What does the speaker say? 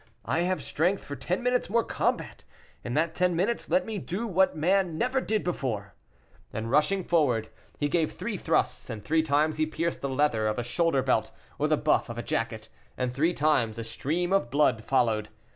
I have strength for ten minutes' more combat; in that ten minutes let me do what man never did before." And rushing forward, he gave three thrusts, and three times he pierced the leather of a shoulder belt, or the buff of a jacket, and three times a stream of blood followed.